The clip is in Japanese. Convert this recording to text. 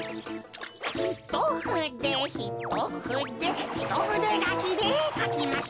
ひとふでひとふでひとふでがきでかきましょう。